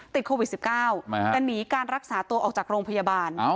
ติดโควิด๑๙แต่หนีการรักษาตัวออกจากโรงพยาบาล